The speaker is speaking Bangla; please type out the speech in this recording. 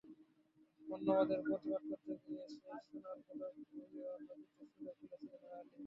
বর্ণবাদের প্রতিবাদ করতে গিয়ে সেই সোনার পদক ওহিও নদীতে ছুড়ে ফেলেছিলেন আলী।